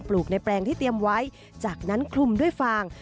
ลูกในแปลงที่เตรียมไว้จากนั้นคลุมด้วยฟาง